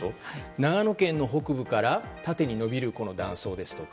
長野県の北部から縦に延びる断層ですとか